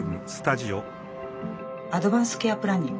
「アドバンス・ケア・プランニング